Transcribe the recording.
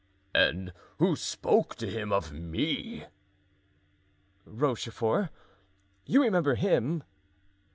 "And who spoke to him of me?" "Rochefort—you remember him?"